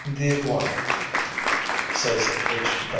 "The iguana," says H.